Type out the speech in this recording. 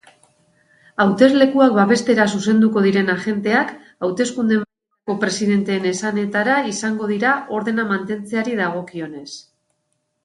Hauteslekuak babestera zuzenduko diren agenteak hauteskunde-mahaietako presidenteen esanetara izango dira ordena mantentzeari dagokionez.